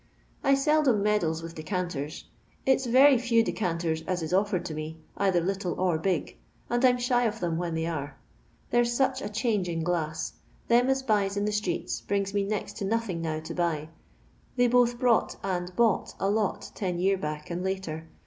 I seldom meddles with decanters. It 's very few decanters ps is offered to me, either little or big, and I 'm shy of them when they are. There 's such a change in glass. Them as buys in the streets brings me next to nothing now to buy; they both brought and bought a lot ten year back and later.